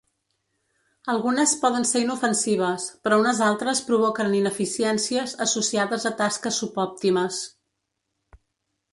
Algunes poden ser inofensives, però unes altres provoquen ineficiències associades a tasques subòptimes.